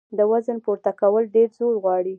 د وزن پورته کول ډېر زور غواړي.